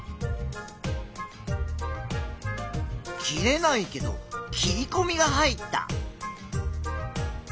切れないけど切りこみが入った。